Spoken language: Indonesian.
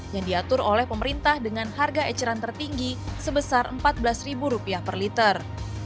yang diatur oleh pemerintah dengan harga eceran tertinggi sebesar rp empat belas per liter